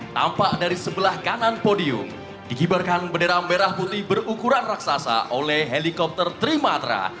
tampak dari sebelah kanan podium digibarkan bendera merah putih berukuran raksasa oleh helikopter trimatra